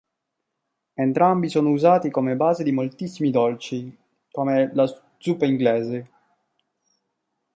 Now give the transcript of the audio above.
Entrambi sono usati come base di moltissimi dolci, come la zuppa inglese.